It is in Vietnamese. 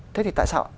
thế thì tại sao